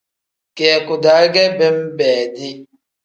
Kiyaku-daa ge benbeedi.